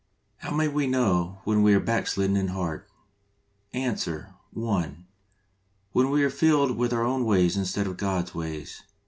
*' How may we know when we are backslidden in heart ? Answer : (i.) When we are filled with our own ways instead of God's ways.